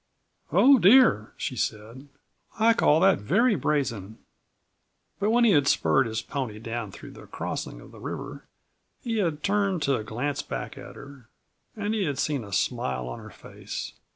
"Oh, dear!" she said, "I call that very brazen!" But when he had spurred his pony down through the crossing of the river he had turned to glance back at her. And he had seen a smile on her face.